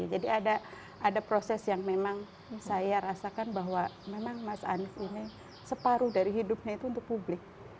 jadi ada proses yang memang saya rasakan bahwa memang mas anies ini separuh dari hidupnya itu untuk publik